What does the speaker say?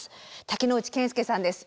竹之内健介さんです。